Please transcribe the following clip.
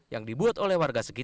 yang dibuat oleh petani